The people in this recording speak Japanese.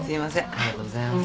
ありがとうございます。